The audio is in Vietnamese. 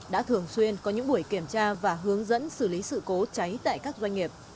đã thường xuyên có những buổi kiểm tra và hướng dẫn xử lý sự cố cháy tại các doanh nghiệp